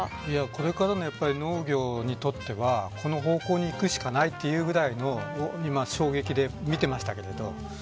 これからの農業にとってはこの方向にいくしかないというぐらいの衝撃で今、見てましたけれども。